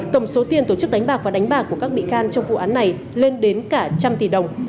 tổng số tiền tổ chức đánh bạc và đánh bạc của các bị can trong vụ án này lên đến cả trăm tỷ đồng